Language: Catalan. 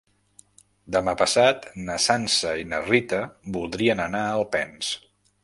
Demà passat na Sança i na Rita voldrien anar a Alpens.